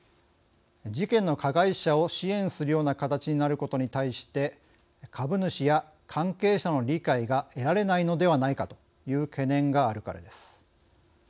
事件の加害者を支援するような形になることに対して「株主や関係者の理解が得られないのではないか」という懸念があるからです。